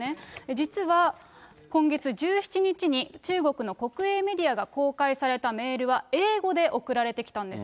実は今月１７日に中国の国営メディアが公開されたメールは英語で送られてきたんです。